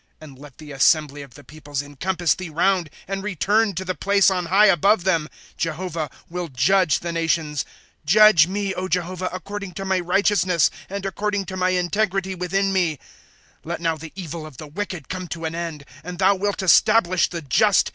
'' And let the assembly of the peoples oiicompass thee round, And return to the place on high, above them. ^ Jehovah will judge the nations ; Judge me, O Jehovah, According to my righteousness, and according to my integ rity within me. * Let now the evil of the wicked come to an end ; And thou wilt establish the just.